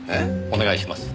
お願いします。